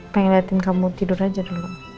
pengen liatin kamu tidur aja dulu